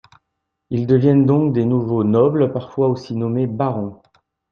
Ils deviennent donc des nouveaux nobles parfois aussi nommés barons.